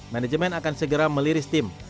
manajemen akan segera meliris tim